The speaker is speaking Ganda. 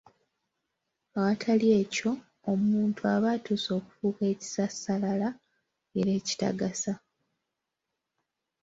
Awatali ekyo omuntu aba atuuse okufuuka ekisassalala era ekitagasa.